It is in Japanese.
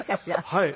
はい。